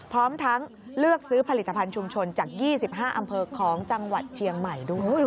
พร้อมทั้งเลือกซื้อผลิตภัณฑ์ชุมชนจาก๒๕อำเภอของจังหวัดเชียงใหม่ด้วย